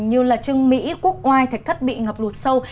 như là trương mỹ quốc ngoai thạch thất bị ngập lụt sâu